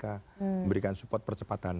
memberikan support percepatan